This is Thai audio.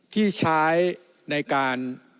ที่ใช้ในการ